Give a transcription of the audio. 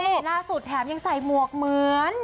เน่หน้าสุดแถมสายหมวกเหมือน